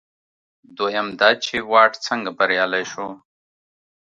دویم دا چې واټ څنګه بریالی شو.